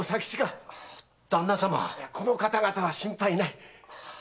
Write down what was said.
この方々は心配ない。